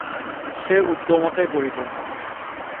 সে উদ্যমতায় পরিপূর্ণ।